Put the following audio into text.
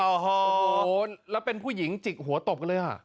โอ้โหแล้วเป็นผู้หญิงจิกหัวตบกันเลยอ่ะ